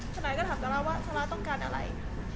ซาร่าก็ถามกับซาร่าว่าซาร่าต้องการอะไร